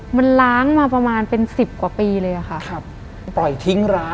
มันล้างมาประมาณเป็นสิบกว่าปีเลยอะค่ะ